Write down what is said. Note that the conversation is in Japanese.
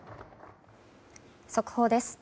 速報です。